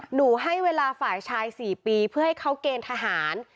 หนูให้เวลาฝ่ายชาย๔ปีเพื่อให้เขาเกณฑ์ทหาร